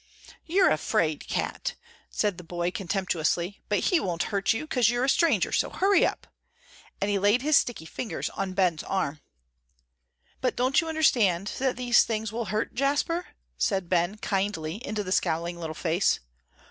"You are a 'fraid cat," said the boy, contemptuously; "but he won't hurt you, 'cause you're a stranger, so hurry up!" and he laid his sticky fingers on Ben's arm. "But don't you understand that these things will hurt Jasper?" said Ben, kindly, into the scowling little face.